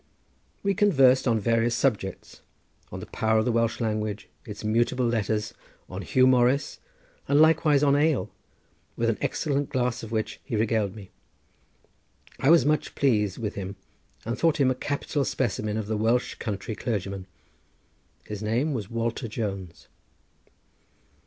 We conversed on various subjects: on the power of the Welsh language; its mutable letters; on Huw Morris, and likewise on ale, with an excellent glass of which he regaled me. I was much pleased with him, and thought him a capital specimen of the Welsh country clergyman. His name was Walter Jones.